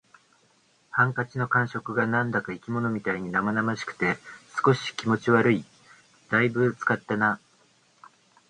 ハンカチの感触が何だか生き物みたいに生々しくて、少し気持ち悪い。「大分使ったな」